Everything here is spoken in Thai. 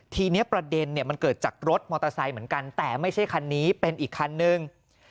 ทีนี้ประเด็นเนี่ยมันเกิดจากรถมอเตอร์ไซค์เหมือนกันแต่ไม่ใช่คันนี้เป็นอีกคันนึง